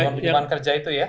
kebanyakan kerja itu ya